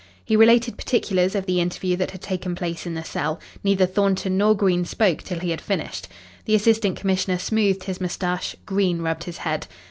He related particulars of the interview that had taken place in the cell. Neither Thornton nor Green spoke till he had finished. The Assistant Commissioner smoothed his moustache, Green rubbed his head.